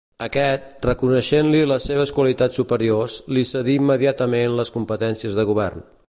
Aquest, reconeixent-li les seves qualitats superiors, li cedí immediatament les competències de govern.